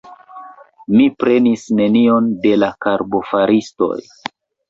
mi prenis nenion de la karbofaristoj!